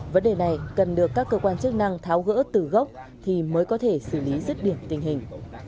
vấn đề này cần được các cơ quan chức năng tháo gỡ từ gốc thì mới có thể xử lý rứt điểm tình hình